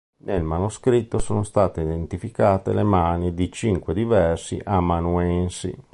Nel manoscritto sono state identificate le mani di cinque diversi amanuensi.